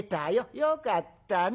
よかったね。